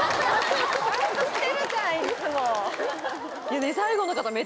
ちゃんとしてるじゃんいっつも。